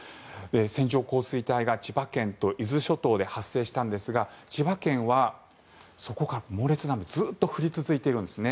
線状降水帯が千葉県と伊豆諸島で発生したんですが千葉県はその間、猛烈な雨がずっと降り続いているんですね。